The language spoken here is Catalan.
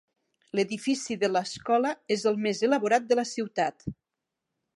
L"edifici de l"escola és el més elaborat de la ciutat.